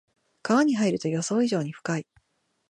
川に入ると予想以上に深い